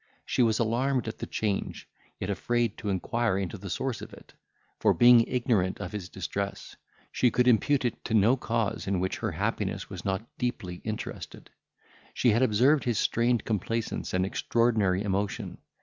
She was alarmed at the change, yet afraid to inquire into the source of it; for, being ignorant of his distress, she could impute it to no cause in which her happiness was not deeply interested. She had observed his strained complaisance and extraordinary emotion.